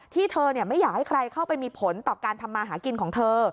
ที่เธอไม่อยากให้ใครเข้าไปมีผลต่อการทำมาหากินของเธอ